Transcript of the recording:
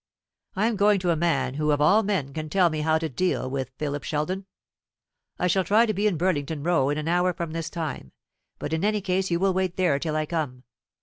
I am going to a man who of all men can tell me how to deal with Philip Sheldon. I shall try to be in Burlington Row in an hour from this time; but in any case you will wait there till I come.